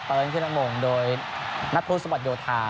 เปิดขึ้นพื้นทางนักงงโดยนักรุมสมัครยธา